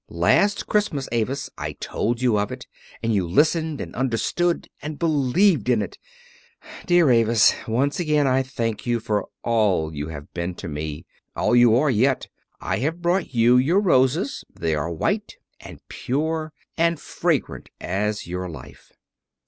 Last Christmas, Avis, I told you of it, and you listened and understood and believed in it. Dear Avis, once again I thank you for all you have been to me all you are yet. I have brought you your roses; they are as white and pure and fragrant as your life."